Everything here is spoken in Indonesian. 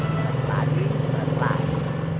ntarik lagi ntarik lagi